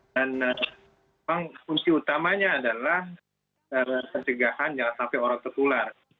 dan memang kunci utamanya adalah kesegahan yang sampai orang tertular